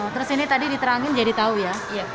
terus ini tadi diterangin jadi tahu ya